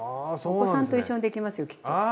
お子さんと一緒にできますよきっと。